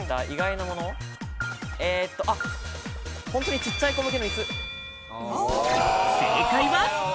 本当にちっちゃい子向けの椅正解は。